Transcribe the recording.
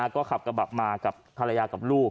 ก็ขับกระบะมากับภรรยากับลูก